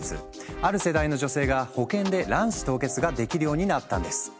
ある世代の女性が保険で卵子凍結ができるようになったんです。